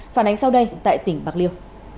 phản ánh sau đây tại tỉnh bạc liêu